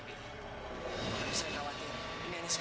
dia sakit keras